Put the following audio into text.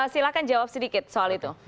silahkan jawab sedikit soal itu